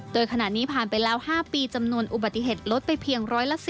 โดยขณะนี้ผ่านไปแล้ว๕ปีจำนวนอุบัติเหตุลดไปเพียง๑๑๐